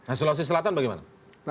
nah sulawesi selatan bagaimana